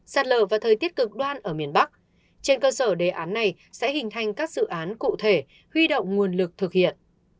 sạt lở và thời tiết cực đoan ở miền bắc trên cơ sở đề án này sẽ hình thành các dự án cụ thể huy động nguồn lực thực hiện